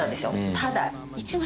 ただ。